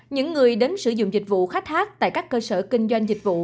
những người đến sử dụng dịch vụ khách hát tại các cơ sở kinh doanh dịch vụ